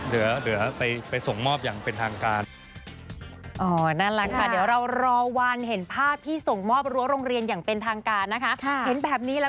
เดี๋ยวไปส่งมอบอย่างเป็นทางการ